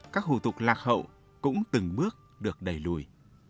các hù tục lạc hậu cũng từng bước được đầy lùi